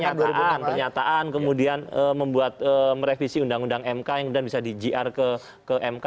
karena masih pernyataan pernyataan kemudian membuat merevisi undang undang mk yang kemudian bisa di gr ke mk